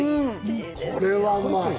これはうまい。